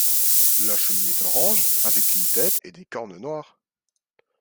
La chenille est orange avec une tête et des cornes noires.